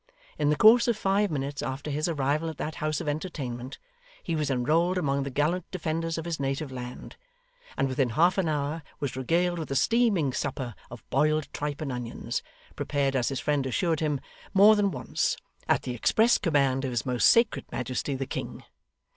In the course of five minutes after his arrival at that house of entertainment, he was enrolled among the gallant defenders of his native land; and within half an hour, was regaled with a steaming supper of boiled tripe and onions, prepared, as his friend assured him more than once, at the express command of his most Sacred Majesty the King.